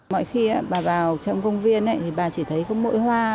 mọi khi bà vào trong công viên thì bà chỉ thấy có mỗi hoa